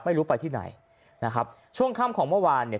ไม่รู้ไปที่ไหนนะครับช่วงค่ำของเมื่อวานเนี่ย